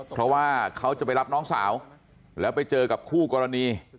เพราะว่าเขาจะไปรับน้องสาวแล้วไปเจอกับคู่กรณี